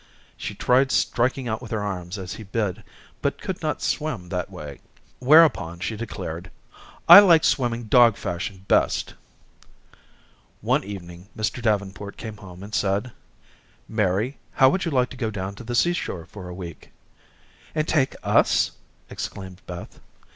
She tried striking out with her arms as he bid, but could not swim that way. Whereupon, she declared: "I like swimming dog fashion best." One evening Mr. Davenport came home and said: "Mary, how would you like to go down to the seashore for a week?" "And take us?" exclaimed Beth.